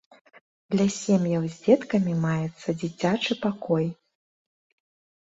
Для сем'яў з дзеткамі маецца дзіцячы пакой.